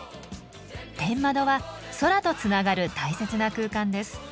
天窓は空とつながる大切な空間です。